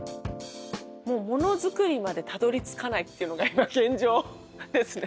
モノづくりまでたどりつかないっていうのが今現状ですね